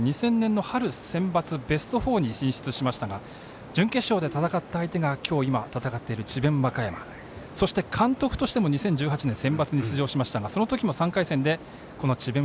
２０００年の春センバツでベスト４に進出しましたが準決勝で戦った相手が今日、今戦っている智弁和歌山そして、監督としても２０１８年センバツに出場しましたがそのときも３回戦でこの智弁